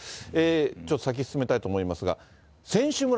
ちょっと先、進めたいと思いますが。